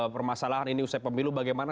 permasalahan ini usai pemilu bagaimana